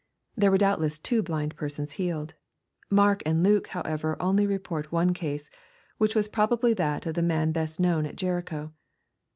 There were doubtless two blind persons healed. Mark and Luke, however, only report one case, which was probably that of the man best known at Jericho.